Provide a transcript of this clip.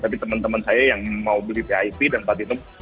tapi teman teman saya yang mau beli vip dan pak tinung